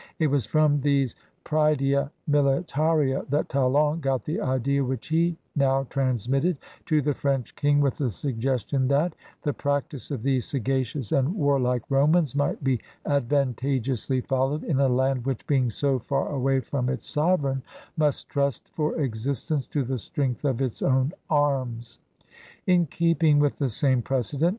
It was from these prcedia militaria that Talon got the idea which he now transmitted to the French King with the sugges tion that "the practice of these sagacious and war like Romans might be advantageously followed in a land which, being so far away from its sover eign, must trust for existence to the strength of its own arms. '' In keeping with the same precedent.